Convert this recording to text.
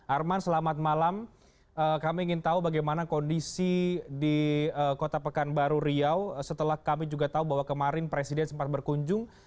arman selamat malam kami ingin tahu bagaimana kondisi di kota pekanbaru riau setelah kami juga tahu bahwa kemarin presiden sempat berkunjung